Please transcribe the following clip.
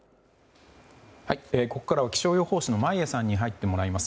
ここからは気象予報士の眞家さんに入ってもらいます。